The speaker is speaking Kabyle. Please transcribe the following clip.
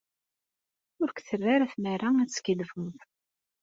Ur k-terra ara tmara ad teskiddbeḍ.